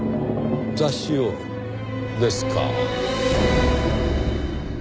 雑誌をですか。